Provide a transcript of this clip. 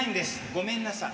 ごめんなさい。